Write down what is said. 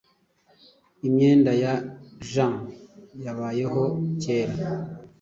Imyenda ya jeans yabayeho kera